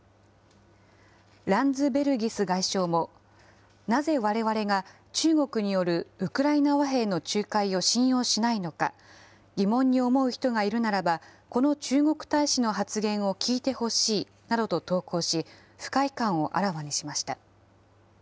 ランズベルギス外相も、なぜわれわれが中国によるウクライナ和平の仲介を信用しないのか、疑問に思う人がいるならば、この中国大使の発言を聞いてほしいなどと投稿し、不快感をあらわにしました。